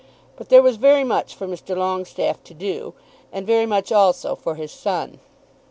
But there was very much for Mr. Longestaffe to do, and very much also for his son.